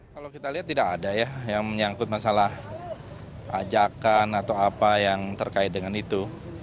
kalau kita lihat tidak ada ya yang menyangkut masalah ajakan atau apa yang terkait dengan itu